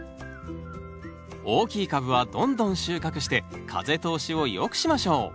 大きい株はどんどん収穫して風通しを良くしましょう。